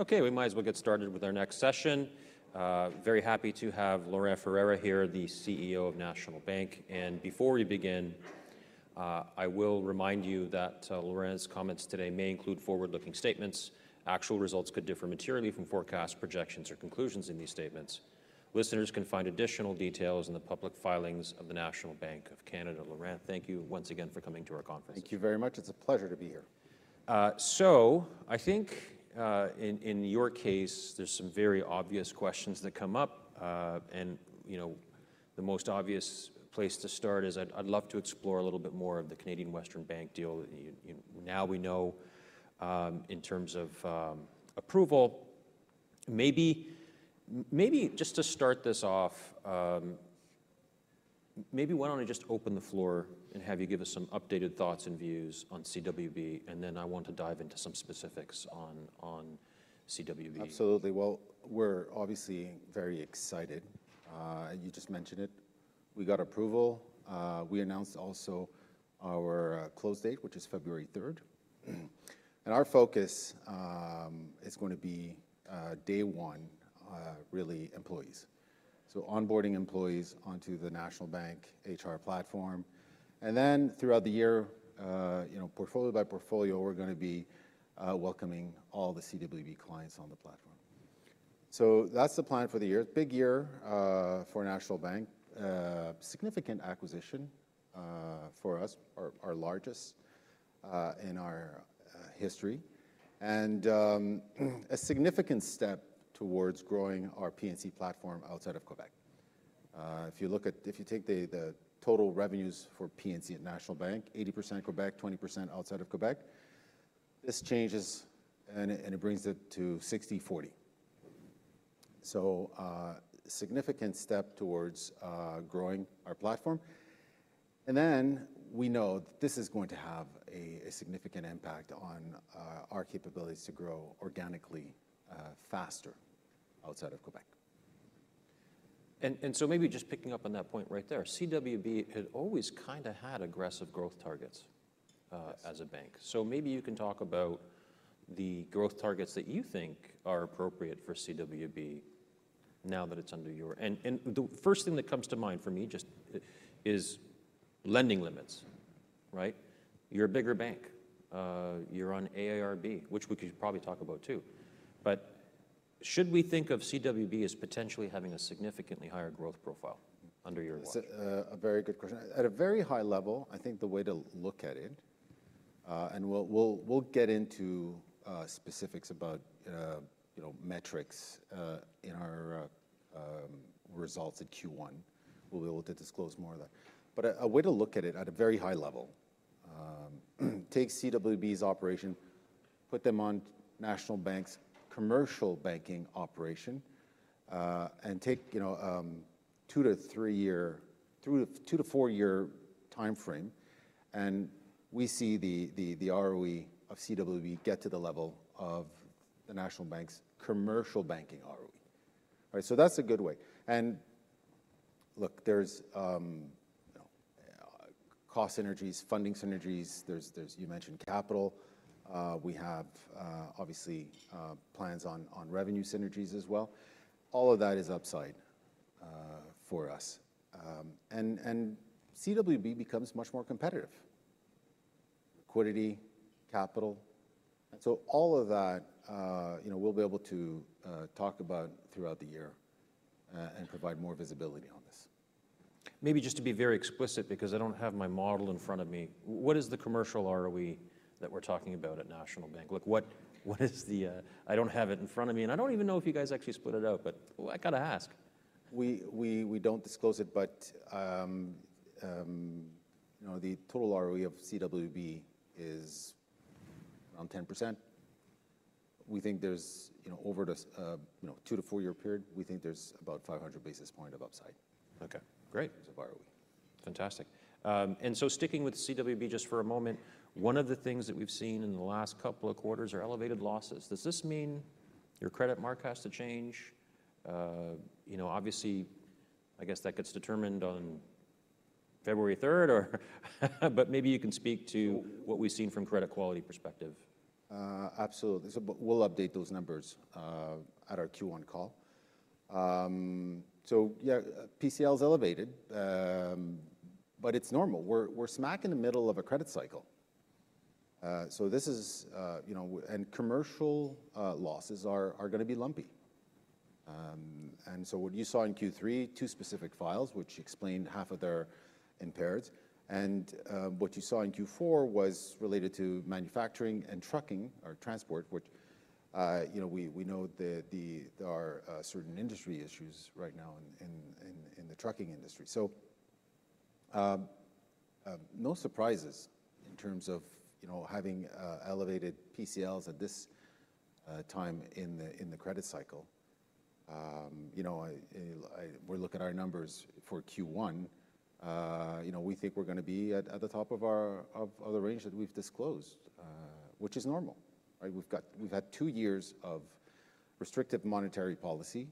Okay, we might as well get started with our next session. Very happy to have Laurent Ferreira here, the CEO of National Bank. And before we begin, I will remind you that Laurent's comments today may include forward-looking statements. Actual results could differ materially from forecasts, projections, or conclusions in these statements. Listeners can find additional details in the public filings of the National Bank of Canada. Laurent, thank you once again for coming to our conference. Thank you very much. It's a pleasure to be here. So, I think in your case, there are some very obvious questions that come up. And the most obvious place to start is I'd love to explore a little bit more of the Canadian Western Bank deal. Now we know in terms of approval. Maybe just to start this off, maybe why don't I just open the floor and have you give us some updated thoughts and views on CWB, and then I want to dive into some specifics on CWB. Absolutely. Well, we're obviously very excited. You just mentioned it. We got approval. We announced also our close date, which is February 3rd. And our focus is going to be day one, really, employees. So onboarding employees onto the National Bank HR platform. And then throughout the year, portfolio by portfolio, we're going to be welcoming all the CWB clients on the platform. So that's the plan for the year. It's a big year for National Bank. Significant acquisition for us, our largest in our history. And a significant step towards growing our P&C platform outside of Quebec. If you look at, if you take the total revenues for P&C at National Bank, 80% Quebec, 20% outside of Quebec, this changes and it brings it to 60/40. So a significant step towards growing our platform. We know this is going to have a significant impact on our capabilities to grow organically faster outside of Quebec. And so maybe just picking up on that point right there, CWB had always kind of had aggressive growth targets as a bank. So maybe you can talk about the growth targets that you think are appropriate for CWB now that it's under you. And the first thing that comes to mind for me just is lending limits, right? You're a bigger bank. You're on AIRB, which we could probably talk about too. But should we think of CWB as potentially having a significantly higher growth profile under your leadership? That's a very good question. At a very high level, I think the way to look at it, and we'll get into specifics about metrics in our results at Q1. We'll be able to disclose more of that. But a way to look at it at a very high level, take CWB's operation, put them on National Bank's Commercial Banking operation, and take a two to three-year, two to four-year timeframe. And we see the ROE of CWB get to the level of the National Bank's Commercial Banking ROE. So that's a good way. And look, there's cost synergies, funding synergies. You mentioned capital. We have obviously plans on revenue synergies as well. All of that is upside for us. And CWB becomes much more competitive. Liquidity, capital. So all of that, we'll be able to talk about throughout the year and provide more visibility on this. Maybe just to be very explicit, because I don't have my model in front of me, what is the commercial ROE that we're talking about at National Bank? Look, what is the, I don't have it in front of me, and I don't even know if you guys actually split it out, but I got to ask. We don't disclose it, but the total ROE of CWB is around 10%. We think there's over the two-to-four-year period, we think there's about 500 basis points of upside in terms of ROE. Fantastic. And so sticking with CWB just for a moment, one of the things that we've seen in the last couple of quarters are elevated losses. Does this mean your credit mark has to change? Obviously, I guess that gets determined on February 3rd, but maybe you can speak to what we've seen from a credit quality perspective. Absolutely. So we'll update those numbers at our Q1 call. So yeah, PCL is elevated, but it's normal. We're smack in the middle of a credit cycle. So this is, and commercial losses are going to be lumpy. And so what you saw in Q3, two specific files, which explained half of their impaireds. And what you saw in Q4 was related to manufacturing and trucking or transport, which we know there are certain industry issues right now in the trucking industry. So no surprises in terms of having elevated PCLs at this time in the credit cycle. We're looking at our numbers for Q1. We think we're going to be at the top of the range that we've disclosed, which is normal. We've had two years of restrictive monetary policy.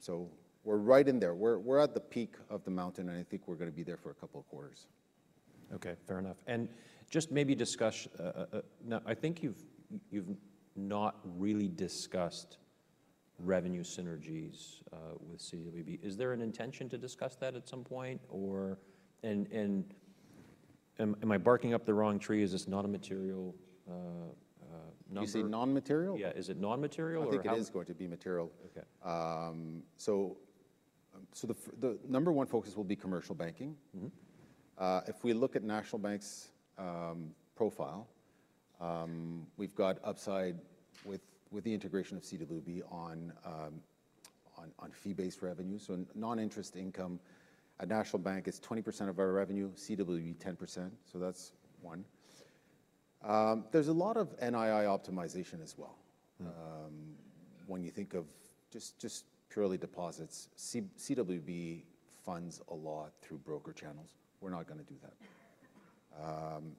So we're right in there. We're at the peak of the mountain, and I think we're going to be there for a couple of quarters. Okay, fair enough. And just maybe discuss, now I think you've not really discussed revenue synergies with CWB. Is there an intention to discuss that at some point? Or am I barking up the wrong tree? Is this not a material? You say non-material? Yeah, is it non-material? I think it is going to be material, so the number one focus will be Commercial Banking. If we look at National Bank's profile, we've got upside with the integration of CWB on fee-based revenue, so non-interest income at National Bank is 20% of our revenue, CWB 10%, so that's one. There's a lot of NII optimization as well. When you think of just purely deposits, CWB funds a lot through broker channels. We're not going to do that,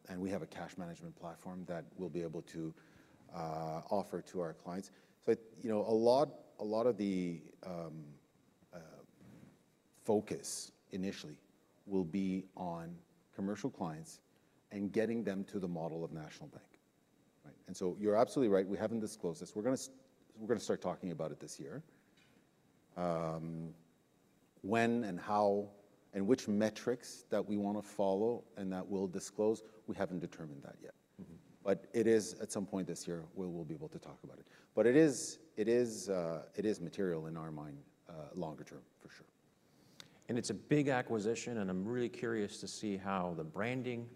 and we have a cash management platform that we'll be able to offer to our clients, so a lot of the focus initially will be on commercial clients and getting them to the model of National Bank, and so you're absolutely right. We haven't disclosed this. We're going to start talking about it this year. When and how and which metrics that we want to follow and that we'll disclose, we haven't determined that yet. But it is at some point this year, we'll be able to talk about it. But it is material in our mind longer term, for sure. It's a big acquisition, and I'm really curious to see how the branding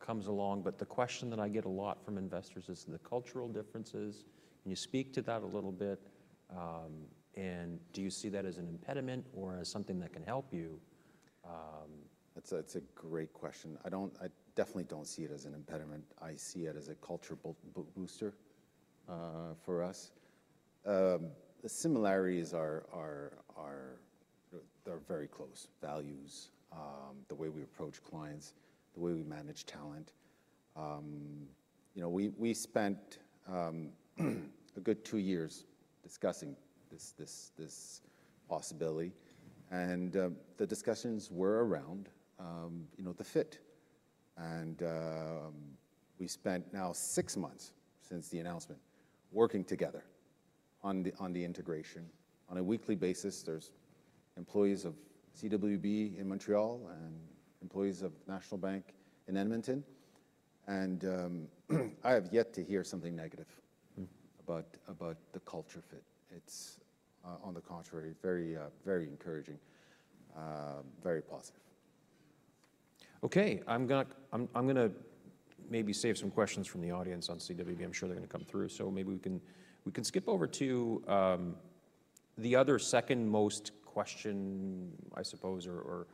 comes along. But the question that I get a lot from investors is the cultural differences. Can you speak to that a little bit? Do you see that as an impediment or as something that can help you? That's a great question. I definitely don't see it as an impediment. I see it as a culture booster for us. The similarities are very close. Values, the way we approach clients, the way we manage talent. We spent a good two years discussing this possibility. And the discussions were around the fit. And we spent now six months since the announcement working together on the integration. On a weekly basis, there's employees of CWB in Montreal and employees of National Bank in Edmonton. And I have yet to hear something negative about the culture fit. It's, on the contrary, very encouraging, very positive. Okay, I'm going to maybe save some questions from the audience on CWB. I'm sure they're going to come through. So maybe we can skip over to the other second most question, I suppose, or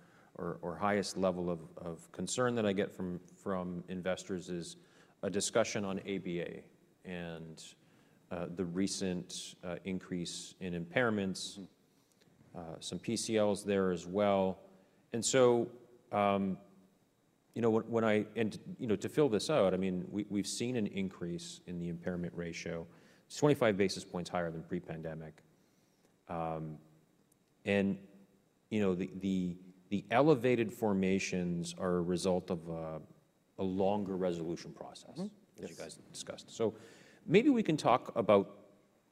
highest level of concern that I get from investors, is a discussion on ABA and the recent increase in impairments, some PCLs there as well. And so when I, and to fill this out, I mean, we've seen an increase in the impairment ratio. It's 25 basis points higher than pre-pandemic. And the elevated formations are a result of a longer resolution process, as you guys discussed. So maybe we can talk about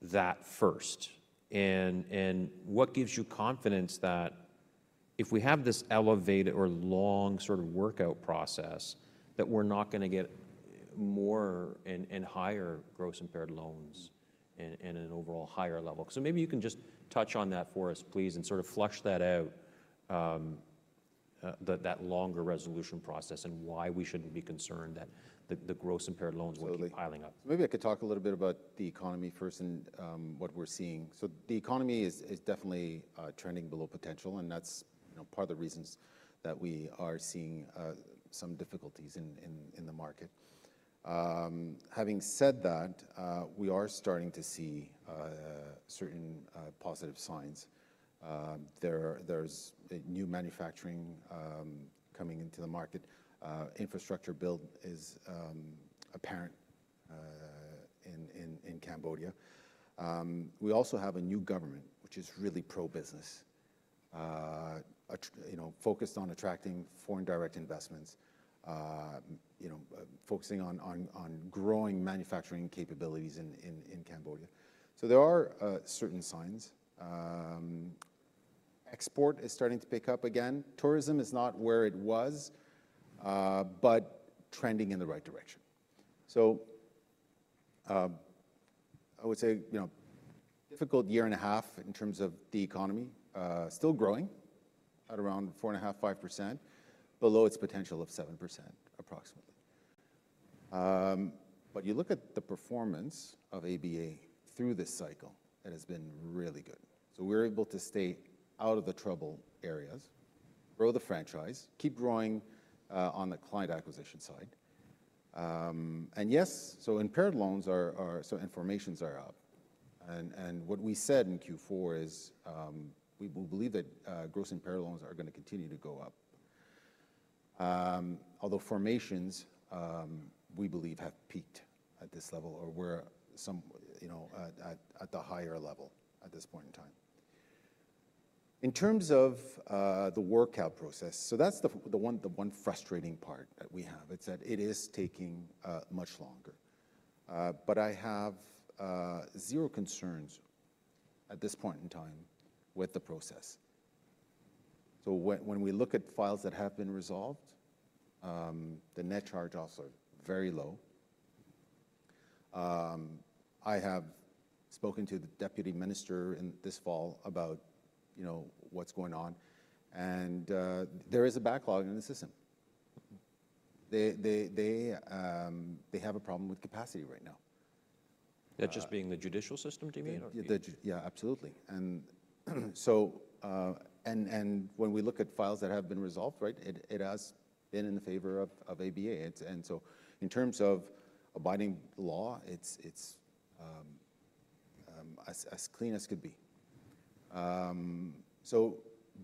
that first. And what gives you confidence that if we have this elevated or long sort of workout process, that we're not going to get more and higher gross impaired loans and an overall higher level? So maybe you can just touch on that for us, please, and sort of flush that out, that longer resolution process and why we shouldn't be concerned that the gross impaired loans will be piling up. Absolutely. Maybe I could talk a little bit about the economy first and what we're seeing. So the economy is definitely trending below potential, and that's part of the reasons that we are seeing some difficulties in the market. Having said that, we are starting to see certain positive signs. There's new manufacturing coming into the market. Infrastructure build is apparent in Cambodia. We also have a new government, which is really pro-business, focused on attracting foreign direct investments, focusing on growing manufacturing capabilities in Cambodia. So there are certain signs. Export is starting to pick up again. Tourism is not where it was, but trending in the right direction. So I would say difficult year and a half in terms of the economy, still growing at around 4.5%-5%, below its potential of 7%, approximately. You look at the performance of ABA through this cycle. It has been really good. We're able to stay out of the trouble areas, grow the franchise, keep growing on the client acquisition side. Yes, impaired loans are up. Formations are up. What we said in Q4 is we believe that gross impaired loans are going to continue to go up. Formations, we believe, have peaked at this level or were at the higher level at this point in time. In terms of the workout process, that's the one frustrating part that we have. It is taking much longer. I have zero concerns at this point in time with the process. When we look at files that have been resolved, the net charge-offs are very low. I have spoken to the deputy minister this fall about what's going on, and there is a backlog in the system. They have a problem with capacity right now. That just being the judicial system, do you mean? Yeah, absolutely. And when we look at files that have been resolved, it has been in favor of ABA. And so in terms of abiding the law, it's as clean as could be.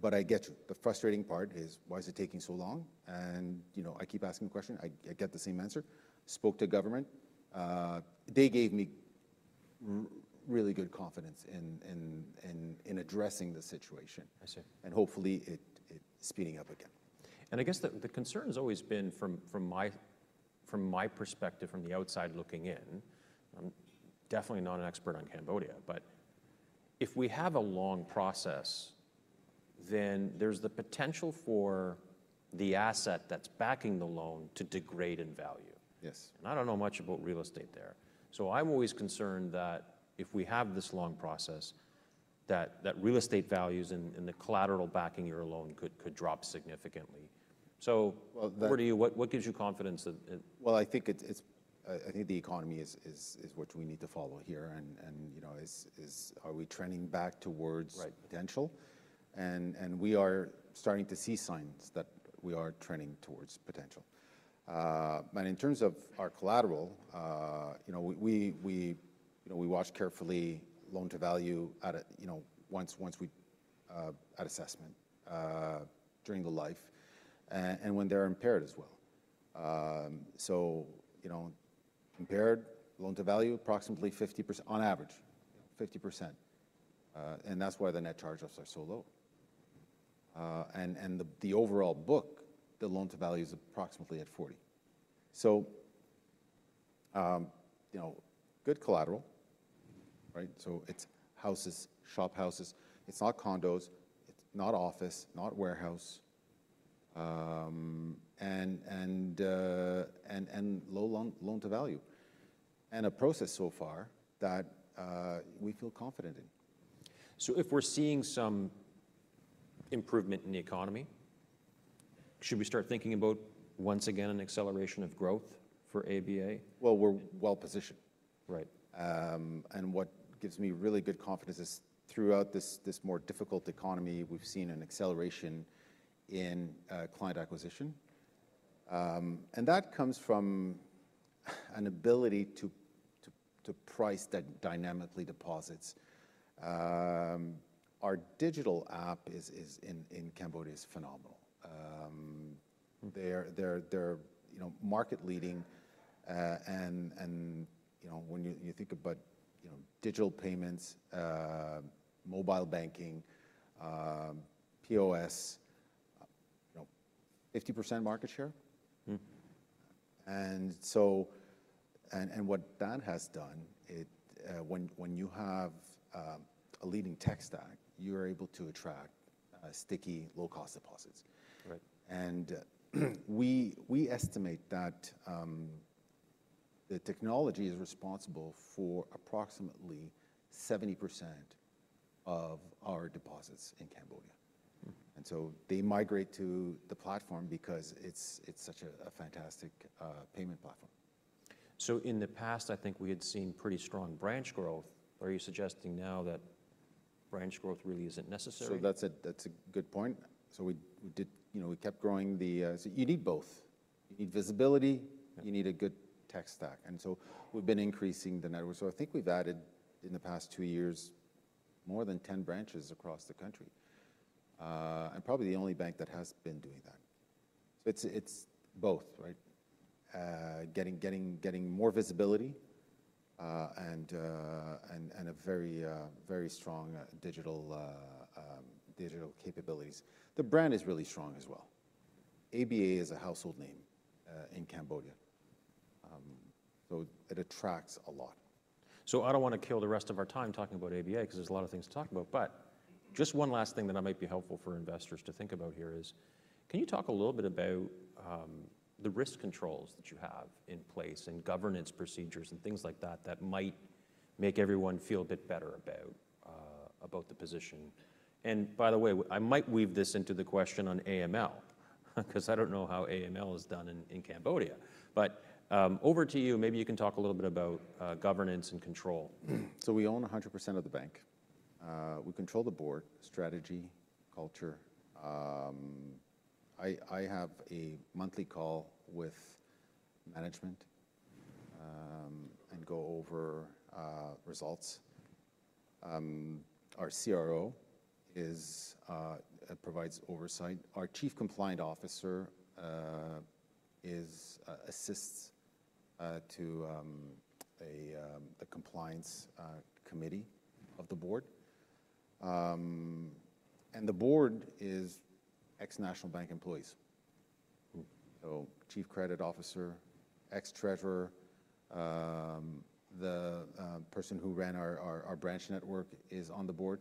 But I get you. The frustrating part is, why is it taking so long? And I keep asking the question. I get the same answer. Spoke to government. They gave me really good confidence in addressing the situation. And hopefully, it's speeding up again. And I guess the concern has always been from my perspective, from the outside looking in. I'm definitely not an expert on Cambodia, but if we have a long process, then there's the potential for the asset that's backing the loan to degrade in value. And I don't know much about real estate there. So I'm always concerned that if we have this long process, that real estate values and the collateral backing your loan could drop significantly. So what gives you confidence? I think the economy is what we need to follow here. Are we trending back towards potential? We are starting to see signs that we are trending towards potential. In terms of our collateral, we watch carefully loan-to-value once we at assessment during the life and when they're impaired as well. Impaired loan-to-value, approximately 50% on average, 50%. That's why the net charge-offs are so low. The overall book, the loan-to-value is approximately 40%. Good collateral. It's houses, shophouses. It's not condos. It's not office, not warehouse. Low loan-to-value. A process so far that we feel confident in. So if we're seeing some improvement in the economy, should we start thinking about once again an acceleration of growth for ABA? We're well positioned. What gives me really good confidence is throughout this more difficult economy, we've seen an acceleration in client acquisition. That comes from an ability to price that dynamically deposits. Our digital app in Cambodia is phenomenal. They're market leading. When you think about digital payments, mobile banking, POS, 50% market share. What that has done, when you have a leading tech stack, you're able to attract sticky, low-cost deposits. We estimate that the technology is responsible for approximately 70% of our deposits in Cambodia. So they migrate to the platform because it's such a fantastic payment platform. In the past, I think we had seen pretty strong branch growth. Are you suggesting now that branch growth really isn't necessary? So that's a good point. So we kept growing too. You need both. You need visibility. You need a good tech stack. And so we've been increasing the network. So I think we've added in the past two years more than 10 branches across the country. And probably the only bank that has been doing that. So it's both, getting more visibility and very strong digital capabilities. The brand is really strong as well. ABA is a household name in Cambodia. So it attracts a lot. So I don't want to kill the rest of our time talking about ABA because there's a lot of things to talk about. But just one last thing that might be helpful for investors to think about here is, can you talk a little bit about the risk controls that you have in place and governance procedures and things like that that might make everyone feel a bit better about the position? And by the way, I might weave this into the question on AML because I don't know how AML is done in Cambodia. But over to you, maybe you can talk a little bit about governance and control. So we own 100% of the bank. We control the board, strategy, culture. I have a monthly call with management and go over results. Our CRO provides oversight. Our chief compliance officer assists to the compliance committee of the board. And the board is ex-National Bank employees. So chief credit officer, ex-treasurer, the person who ran our branch network is on the board.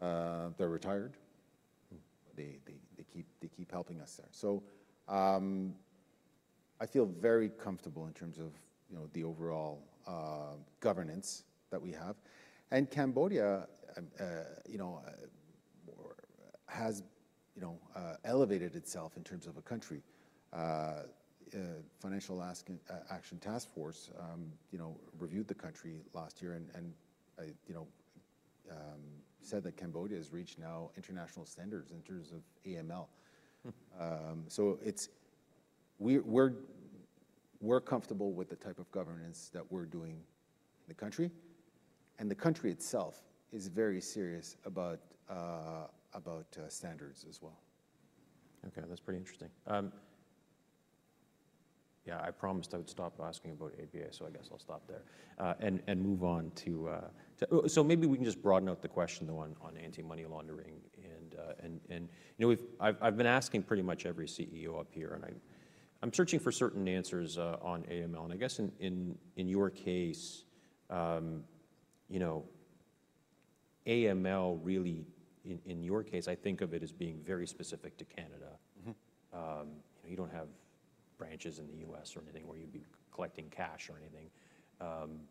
They're retired. They keep helping us there. So I feel very comfortable in terms of the overall governance that we have. And Cambodia has elevated itself in terms of a country. Financial Action Task Force reviewed the country last year and said that Cambodia has reached now international standards in terms of AML. So we're comfortable with the type of governance that we're doing in the country. And the country itself is very serious about standards as well. Okay, that's pretty interesting. Yeah, I promised I would stop asking about ABA, so I guess I'll stop there and move on to so maybe we can just broaden out the question on anti-money laundering. And I've been asking pretty much every CEO up here, and I'm searching for certain answers on AML. And I guess in your case, AML really, in your case, I think of it as being very specific to Canada. You don't have branches in the U.S. or anything where you'd be collecting cash or anything.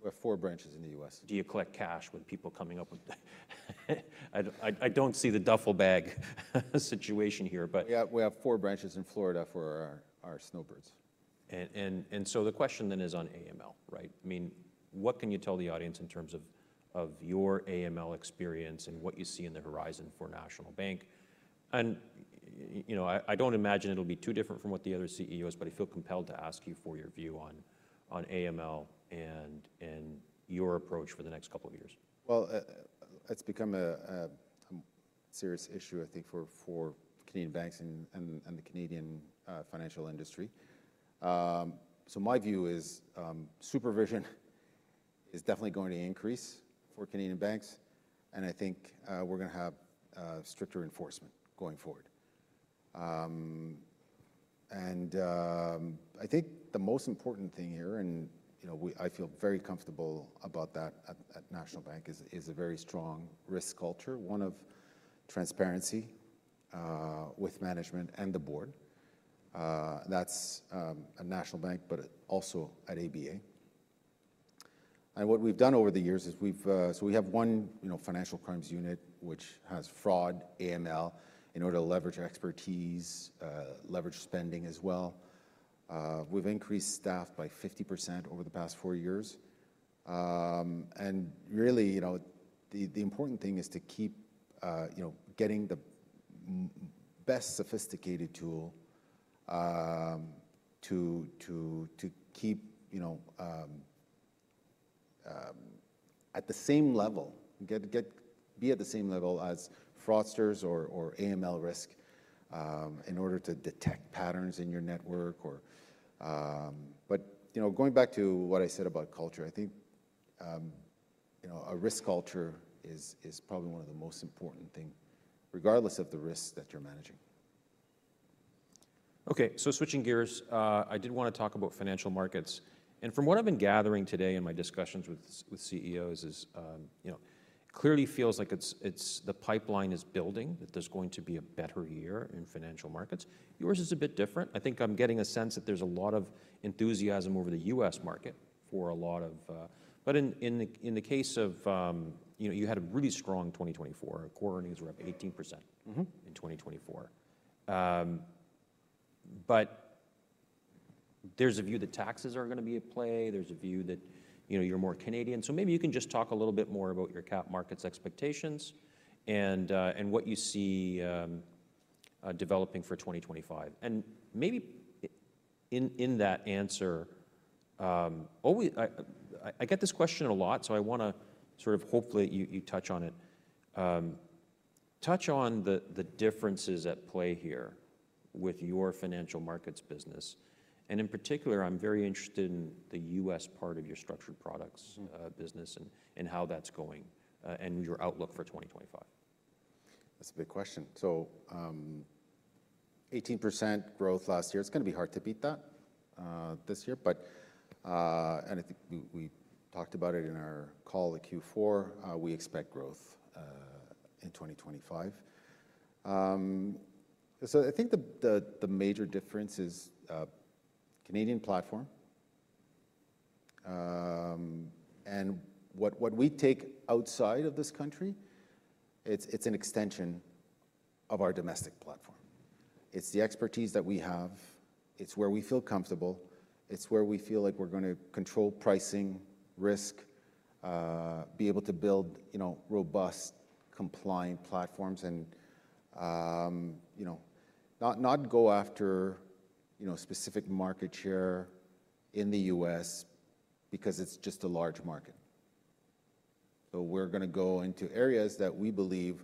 We have four branches in the U.S. Do you collect cash with people coming up with? I don't see the duffel bag situation here, but. We have four branches in Florida for our snowbirds. And so the question then is on AML, right? I mean, what can you tell the audience in terms of your AML experience and what you see in the horizon for National Bank? And I don't imagine it'll be too different from what the other CEO is, but I feel compelled to ask you for your view on AML and your approach for the next couple of years. It's become a serious issue, I think, for Canadian banks and the Canadian financial industry. My view is supervision is definitely going to increase for Canadian banks. I think we're going to have stricter enforcement going forward. I think the most important thing here, and I feel very comfortable about that at National Bank, is a very strong risk culture, one of transparency with management and the board. That's at National Bank, but also at ABA. What we've done over the years is we have one financial crimes unit, which has fraud, AML, in order to leverage expertise, leverage spending as well. We've increased staff by 50% over the past four years. Really, the important thing is to keep getting the best sophisticated tool to keep at the same level, be at the same level as fraudsters or AML risk in order to detect patterns in your network. Going back to what I said about culture, I think a risk culture is probably one of the most important things, regardless of the risks that you're managing. Okay, so switching gears, I did want to talk about Financial Markets, and from what I've been gathering today in my discussions with CEOs, it clearly feels like the pipeline is building, that there's going to be a better year in Financial Markets. Yours is a bit different. I think I'm getting a sense that there's a lot of enthusiasm over the U.S. market for a lot, but in the case of you had a really strong 2024. Core earnings were up 18% in 2024, but there's a view that taxes are going to be at play. There's a view that you're more Canadian, so maybe you can just talk a little bit more about your cap markets expectations and what you see developing for 2025, and maybe in that answer, I get this question a lot, so I want to sort of hopefully you touch on it. Touch on the differences at play here with your Financial Markets business, and in particular, I'm very interested in the U.S. part of your structured products business and how that's going and your outlook for 2025. That's a big question. So 18% growth last year. It's going to be hard to beat that this year. And I think we talked about it in our call at Q4. We expect growth in 2025. So I think the major difference is Canadian platform. And what we take outside of this country, it's an extension of our domestic platform. It's the expertise that we have. It's where we feel comfortable. It's where we feel like we're going to control pricing, risk, be able to build robust, compliant platforms and not go after specific market share in the U.S. because it's just a large market. So we're going to go into areas that we believe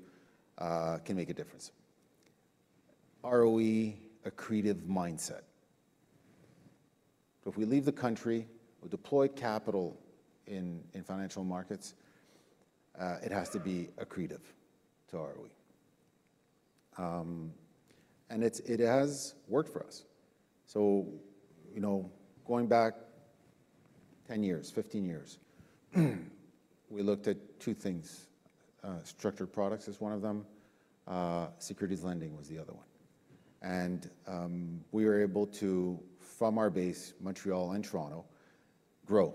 can make a difference. ROE, accretive mindset. If we leave the country, we deploy capital in Financial Markets, it has to be accretive to ROE. And it has worked for us. So going back 10 years, 15 years, we looked at two things. Structured products is one of them. Securities lending was the other one. And we were able to, from our base, Montreal and Toronto, grow.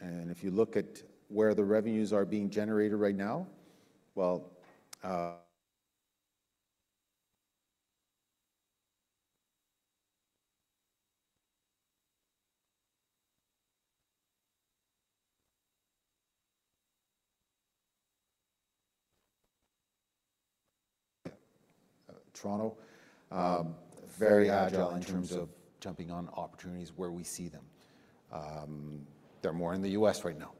And if you look at where the revenues are being generated right now, well. Yeah, Toronto. Very agile in terms of jumping on opportunities where we see them. They're more in the U.S. right now.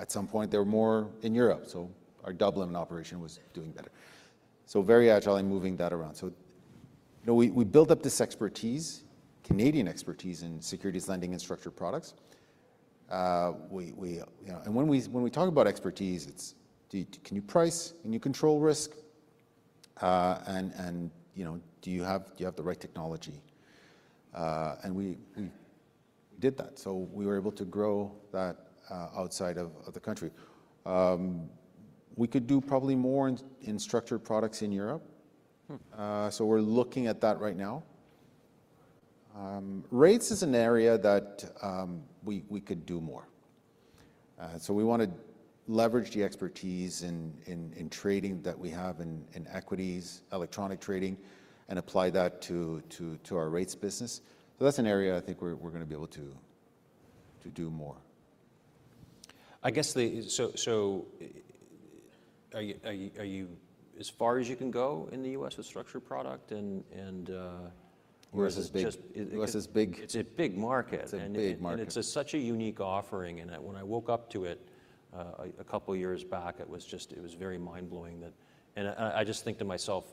At some point, they were more in Europe. So our Dublin operation was doing better. So very agile in moving that around. So we built up this expertise, Canadian expertise in securities lending and structured products. And when we talk about expertise, it's, can you price? Can you control risk? And do you have the right technology? And we did that. So we were able to grow that outside of the country. We could do probably more in structured products in Europe. So we're looking at that right now. Rates is an area that we could do more. So we want to leverage the expertise in trading that we have in equities, electronic trading, and apply that to our rates business. So that's an area I think we're going to be able to do more. I guess, so are you as far as you can go in the U.S. with structured product and? U.S. is big. It's a big market. It's a big market. It's such a unique offering. When I woke up to it a couple of years back, it was very mind-blowing. I just think to myself,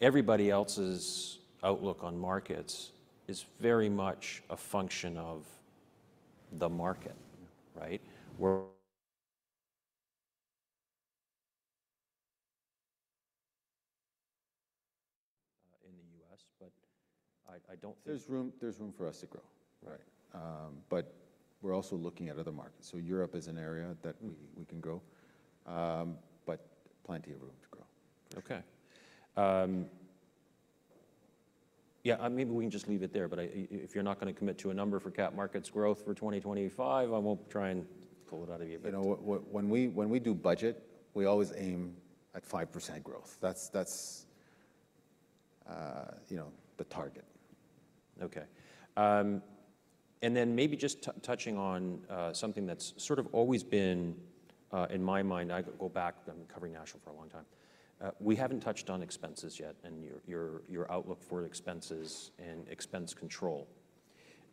everybody else's outlook on markets is very much a function of the market, right? In the US, but I don't think. There's room for us to grow, but we're also looking at other markets, so Europe is an area that we can grow, but plenty of room to grow. Okay. Yeah, maybe we can just leave it there. But if you're not going to commit to a number for cap markets growth for 2025, I won't try and pull it out of you. When we do budget, we always aim at 5% growth. That's the target. Okay. And then maybe just touching on something that's sort of always been in my mind. I go back. I've been covering National for a long time. We haven't touched on expenses yet and your outlook for expenses and expense control.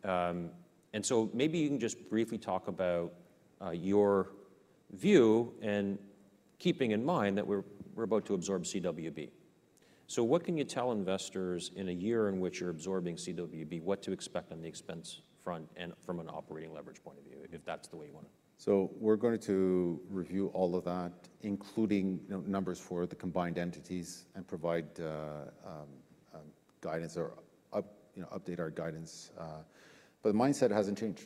And so maybe you can just briefly talk about your view and keeping in mind that we're about to absorb CWB. So what can you tell investors in a year in which you're absorbing CWB, what to expect on the expense front and from an operating leverage point of view, if that's the way you want it? So we're going to review all of that, including numbers for the combined entities and provide guidance or update our guidance. But the mindset hasn't changed.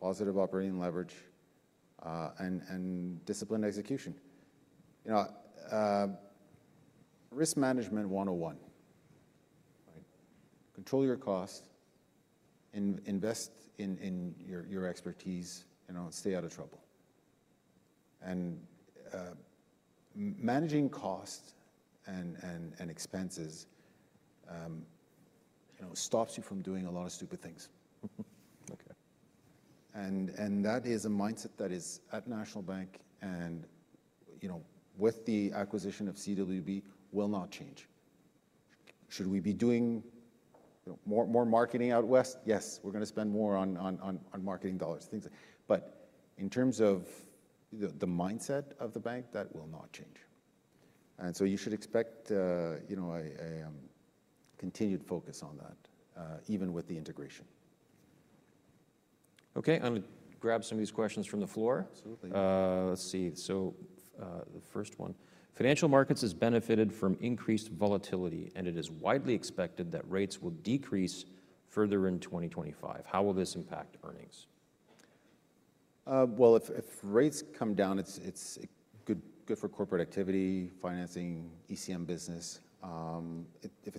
Positive operating leverage and disciplined execution. Risk management 101. Control your costs, invest in your expertise, stay out of trouble. And managing costs and expenses stops you from doing a lot of stupid things. And that is a mindset that is at National Bank of Canada and with the acquisition of CWB will not change. Should we be doing more marketing out west? Yes, we're going to spend more on marketing dollars and things. But in terms of the mindset of the bank, that will not change. And so you should expect a continued focus on that, even with the integration. Okay, I'm going to grab some of these questions from the floor. Absolutely. Let's see. So the first one. Financial Markets has benefited from increased volatility, and it is widely expected that rates will decrease further in 2025. How will this impact earnings? If rates come down, it's good for corporate activity, financing, ECM business. If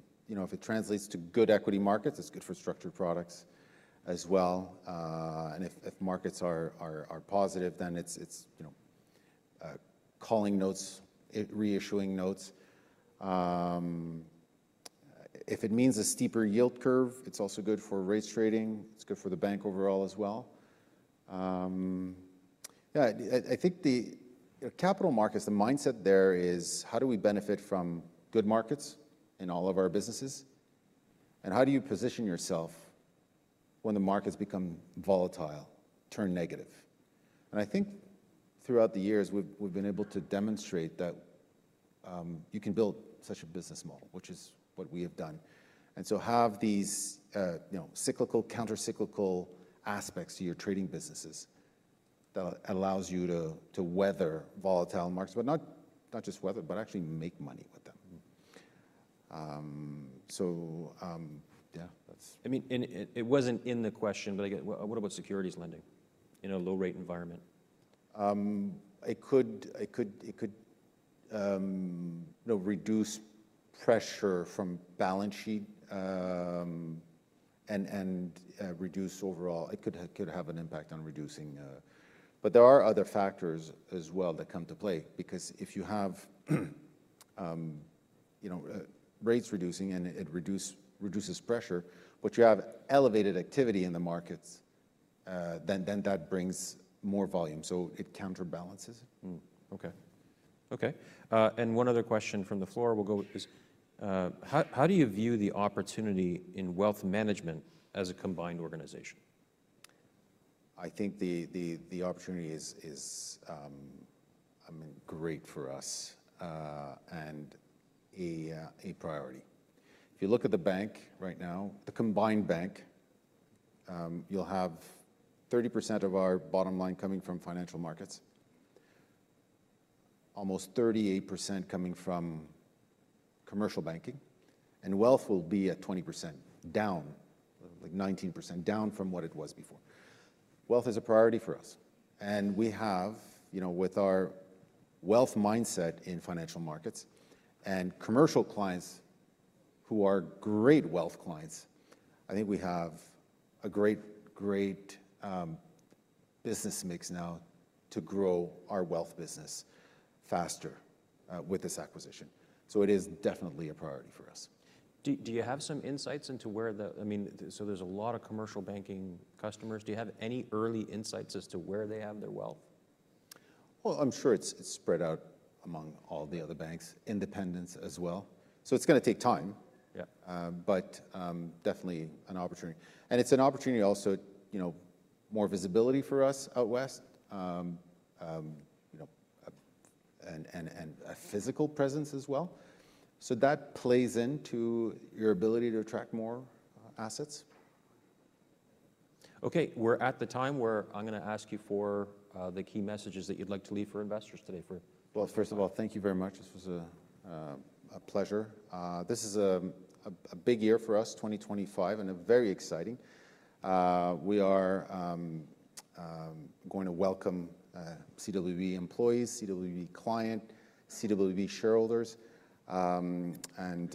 it translates to good equity markets, it's good for structured products as well. If markets are positive, then it's calling notes, reissuing notes. If it means a steeper yield curve, it's also good for rates trading. It's good for the bank overall as well. Yeah, I think the capital markets, the mindset there is, how do we benefit from good markets in all of our businesses? How do you position yourself when the markets become volatile, turn negative? I think throughout the years, we've been able to demonstrate that you can build such a business model, which is what we have done. So have these cyclical, countercyclical aspects to your trading businesses that allows you to weather volatile markets, but not just weather, but actually make money with them. Yeah, that's. I mean, it wasn't in the question, but what about securities lending in a low-rate environment? It could reduce pressure from balance sheet and reduce overall. It could have an impact on reducing. But there are other factors as well that come to play because if you have rates reducing and it reduces pressure, but you have elevated activity in the markets, then that brings more volume. So it counterbalances. One other question from the floor: how do you view the opportunity in wealth management as a combined organization? I think the opportunity is great for us and a priority. If you look at the bank right now, the combined bank, you'll have 30% of our bottom line coming from Financial Markets, almost 38% coming from Commercial Banking, and wealth will be at 20% down, like 19% down from what it was before. Wealth is a priority for us. And we have, with our wealth mindset in Financial Markets and commercial clients who are great wealth clients, I think we have a great, great business mix now to grow our wealth business faster with this acquisition. So it is definitely a priority for us. Do you have some insights into where the, I mean, so there's a lot of Commercial Banking customers. Do you have any early insights as to where they have their wealth? I'm sure it's spread out among all the other banks, independents as well. It's going to take time, but definitely an opportunity. It's an opportunity also, more visibility for us out west and a physical presence as well. That plays into your ability to attract more assets. Okay, we're at the time where I'm going to ask you for the key messages that you'd like to leave for investors today. First of all, thank you very much. This was a pleasure. This is a big year for us, 2025, and a very exciting. We are going to welcome CWB employees, CWB clients, CWB shareholders.